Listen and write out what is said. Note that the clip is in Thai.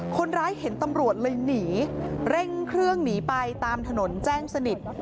คนร้ายเห็นตำรวจเลยหนีเร่งเครื่องหนีไปตามถนนแจ้งสนิท